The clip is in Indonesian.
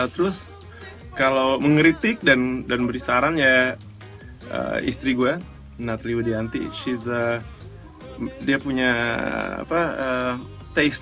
terus kalau mengeritik dan beri saran ya istri gue natalie wadianti ya itu juga bisa dikira itu adalah anak gue yang paling baik ya